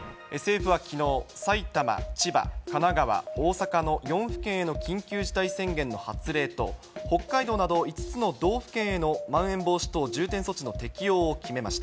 政府はきのう、埼玉、千葉、神奈川、大阪の４府県への緊急事態宣言の発令と、北海道など５つの道府県へのまん延防止等重点措置の適用を決めました。